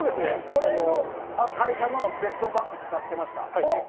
これの会社の別のバッグ使ってました。